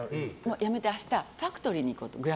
やめて明日ファクトリーに行こうと。